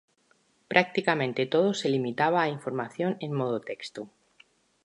Prácticamente todo se limitaba a información en modo texto.